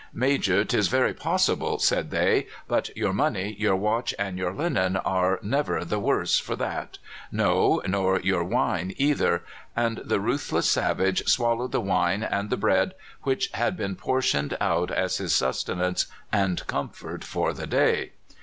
"Major, 'tis very possible," said they; "but your money, your watch, and your linen are never the worse for that; no, nor your wine either!" and the ruthless savages swallowed the wine and the bread which had been portioned out as his sustenance and comfort for the day.